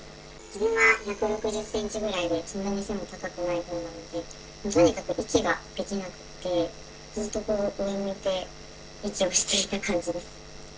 自分は１６０センチぐらいで、そんなに背も高くないので、とにかく息ができなくて、ずっとこう、上向いて息をしていた感じです。